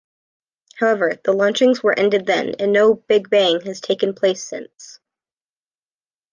However, the launchings were ended then, and no "big bang" has taken place since.